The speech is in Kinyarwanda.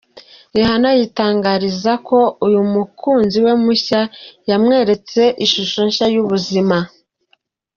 Rihanna yitangariza ko uyu mukuzi we mushya yamweretse ishusho nshya y’ubuzima.